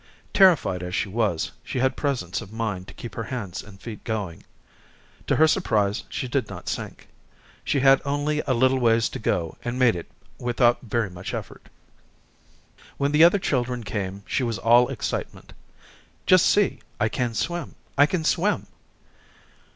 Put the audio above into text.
Terrified as she was, she had presence of mind to keep her hands and feet going. To her surprise, she did not sink. She had only a little ways to go and made it without very much effort. When the other children came, she was all excitement. "Just see. I can swim, I can swim."